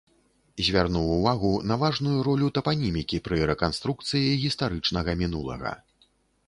Звярнуў увагу на важную ролю тапанімікі пры рэканструкцыі гістарычнага мінулага.